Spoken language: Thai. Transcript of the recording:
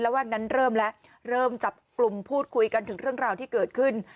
แวกนั้นเริ่มแล้วเริ่มจับกลุ่มพูดคุยกันถึงเรื่องราวที่เกิดขึ้น